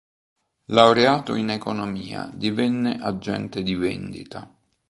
Laureato in Economia divenne agente di vendita.